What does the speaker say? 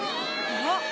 ・あっ。